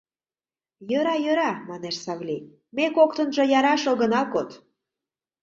— Йӧра, йӧра, — манеш Савли, — ме коктынжо яраш огына код.